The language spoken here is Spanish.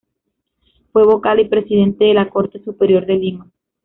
Fue vocal y presidente de la Corte Superior de Lima.